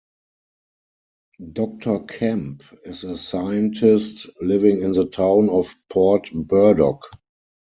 Doctor Kemp is a scientist living in the town of Port Burdock.